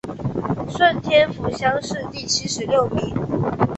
顺天府乡试第七十六名。